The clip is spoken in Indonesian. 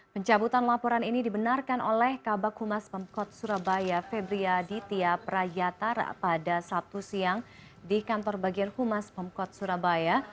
pencabutan laporan ini dibenarkan oleh kabak humas pemkot surabaya febria di tiap rayatar pada sabtu siang di kantor bagian humas pemkot surabaya